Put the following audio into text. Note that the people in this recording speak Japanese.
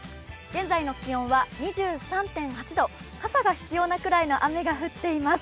現在の気温は２３．８度、傘が必要なくらいの雨が降っています。